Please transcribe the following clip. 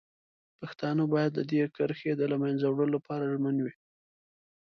پښتانه باید د دې کرښې د له منځه وړلو لپاره ژمن وي.